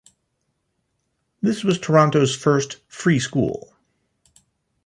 This was Toronto's first 'free school'.